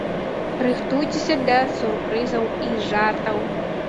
Рыхтуйцеся да сюрпрызаў і жартаў!